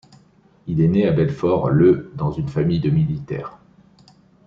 Il est né à Belfort le dans une famille de militaires.